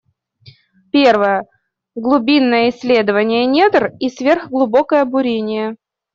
Первая — глубинное исследование недр и сверхглубокое бурение.